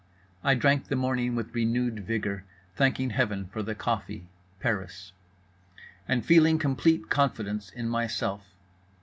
I drank the morning with renewed vigor, thanking heaven for the coffee, Paris; and feeling complete confidence in myself.